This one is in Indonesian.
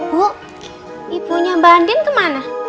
bu ibunya mbak andin kemana